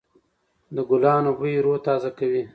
د ګلانو بوی روح تازه کوي.